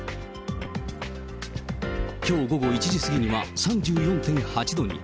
きょう午後１時過ぎには３４．８度に。